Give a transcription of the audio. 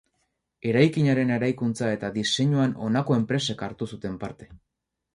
Eraikinaren eraikuntza eta diseinuan honako enpresek hartu zuten parte.